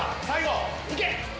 いけ！